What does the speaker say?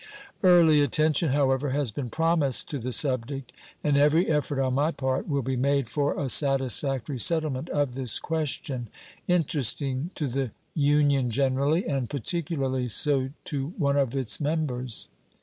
Early attention, however, has been promised to the subject, and every effort on my part will be made for a satisfactory settlement of this question, interesting to the Union generally, and particularly so to one of its members.